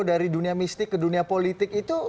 dari dunia mistik ke dunia politik itu